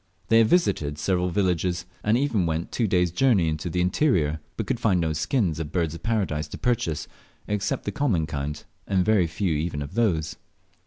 They had visited several villages, and even went two days' journey into the interior, but could find no skins of Birds of Paradise to purchase, except the common kind, and very few even of those.